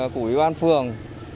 của ủy ban phường